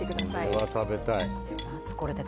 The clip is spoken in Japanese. これは食べたい。